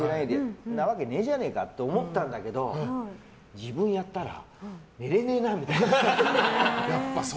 そんなわけねえじゃねえか！って思ってたんだけど自分やったら寝れねえなみたいな。